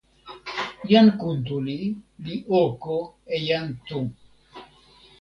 jan Kuntuli li oko e jan Tu.